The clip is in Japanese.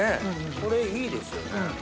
これいいですよね。